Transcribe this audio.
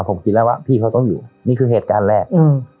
ผมคิดแล้วว่าพี่เขาต้องอยู่นี่คือเหตุการณ์แรกอืม